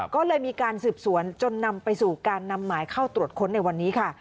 ก็เลยมีการสืบสวนจนนำไปสู่การนำหมายเข้าตรวจค้นในวันนี้ค่ะ